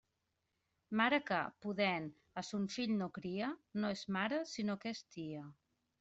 Mare que, podent, a son fill no cria, no és mare, sinó que és tia.